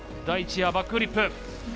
第１エア、バックフリップ。